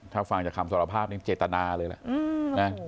ถ้าฟังจากคำสารภาพนี้เจตนาเลยแหละ